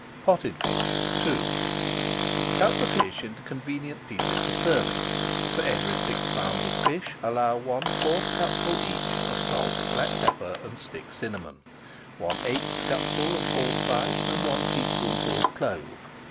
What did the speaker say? POTTED FISH II Cut the fish into convenient pieces for serving. For every six pounds of fish allow one fourth cupful each of salt, black pepper, and stick cinnamon, one eighth cupful of allspice and one teaspoonful of clove.